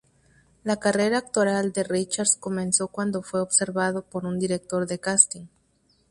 La carrera actoral de Richards comenzó cuando fue observado por un director de casting.